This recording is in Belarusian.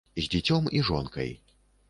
З дзіцём, з жонкай.